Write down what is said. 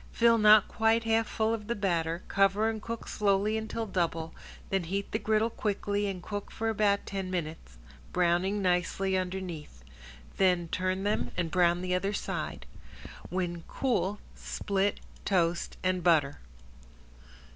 Fill not quite half full of the batter, cover and cook slowly until double, then heat the griddle quickly and cook for about ten minutes, browning nicely underneath. Then turn them and brown the other side. When cool split, toast and butter.